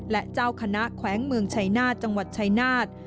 และเจ้าคณะแขวงเมืองไชนาธิ์จังหวัดไชนาธิ์